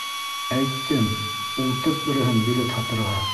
Әйттем: ултырт береһен билет һатырға!